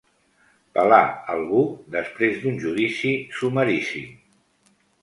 Pelar algú després d'un judici sumaríssim.